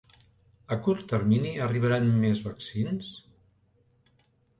A curt termini arribaran més vaccins?